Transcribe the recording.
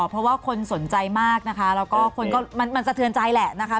เพราะว่าคนสนใจมากนะคะแล้วก็คนก็มันสะเทือนใจแหละนะคะ